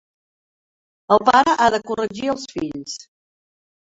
El pare ha de corregir els fills.